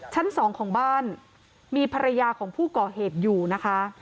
ชั้นสองของบ้านมีภรรยาของผู้ก่อเหตุอยู่นะคะ